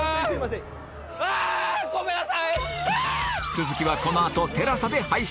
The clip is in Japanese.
続きはこのあと ＴＥＬＡＳＡ で配信！